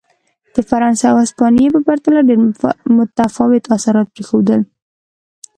د فرانسې او هسپانیې په پرتله ډېر متفاوت اثرات پرېښودل.